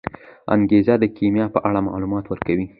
انګریز د کیمیا په اړه معلومات ورکوي.